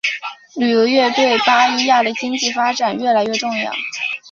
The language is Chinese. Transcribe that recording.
旅游业对巴伊亚的经济发展越来越重要。